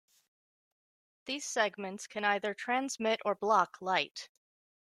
These segments can either transmit or block light.